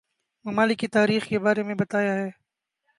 ممالک کی تاریخ کے بارے میں بتایا ہے